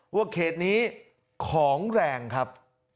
ว่าเขตนี้ของแรงครับ